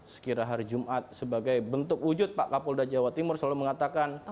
sekira hari jumat sebagai bentuk wujud pak kapolda jawa timur selalu mengatakan